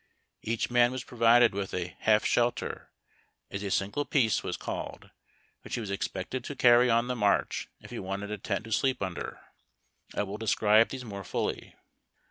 Each man was provided with a half shelte)\ as a single piece w;is called, which he was expected to carry on the march if he wanted a tent to slee}) under. I will describe these more fully.